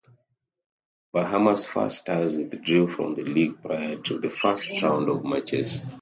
Bahamas First Stars withdrew from the league prior to the first round of matches.